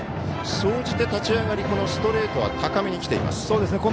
総じて立ち上がりストレートは高めにきています。